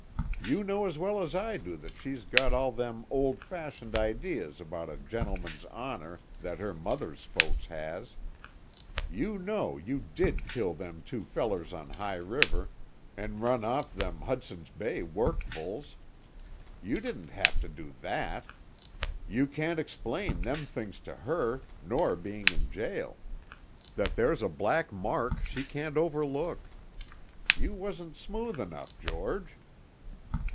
You know as well as I do that she's got all them old fashioned idees about a gentleman's honor that her mother's folks has. You know you did kill them two fellers on High River, an' run off them Hudson's Bay work bulls. You didn't have to do that. You can't explain them things to her; nor bein' in jail. That there's a black mark she can't overlook. You wasn't smooth enough, George."